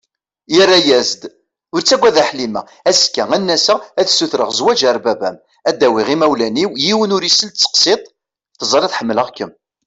Yerra-as-d: Ur ttaggad a Ḥlima, azekka ad n-aseɣ ad sutreɣ zwaǧ ar baba-m, ad d-awiɣ imawlan-iw, yiwen ur isel tseqsiḍt, teẓriḍ ḥemmleɣ-kem.